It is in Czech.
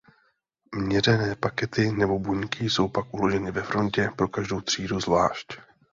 Měřené pakety nebo buňky jsou pak uloženy ve frontě pro každou třídu zvlášť.